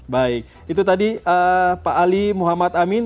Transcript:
baik itu tadi pak ali muhammad amin